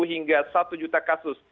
hingga satu juta kasus